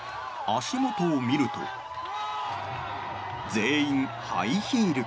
足元を見ると全員ハイヒール。